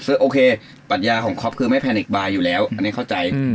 ซึ่งโอเคปัญญาของคอปคือไม่แพนิกบาร์อยู่แล้วอันนี้เข้าใจ